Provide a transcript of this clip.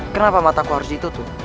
kenapa mataku harus ditutup